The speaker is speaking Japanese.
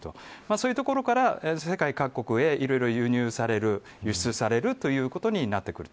そういうところから世界各国へいろいろ輸入される、輸出されるということになってくる。